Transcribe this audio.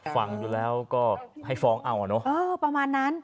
ฟังแล้วก็ให้ฟ้องเอาอ่ะเนอะ